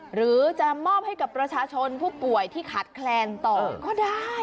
หรือจะมอบให้กับประชาชนผู้ป่วยที่ขาดแคลนต่อก็ได้